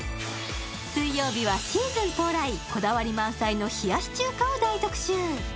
水曜日はシーズン到来こだわり満載の冷やし中華を大特集